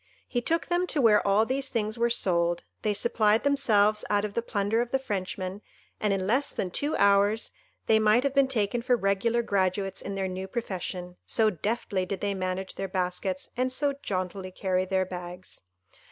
He took them to where all these things were sold; they supplied themselves out of the plunder of the Frenchman, and in less than two hours they might have been taken for regular graduates in their new profession, so deftly did they manage their baskets, and so jauntily carry their bags.